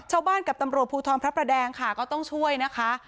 ชาวบ้านกับตำรวจภูทรพลรัพพลดงค่ะก็ต้องช่วยนะคะ